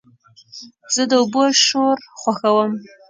زه د اوبو شور خوښوم.